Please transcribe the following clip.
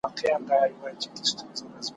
دا خرقه مي د عزت او دولت دام دی ,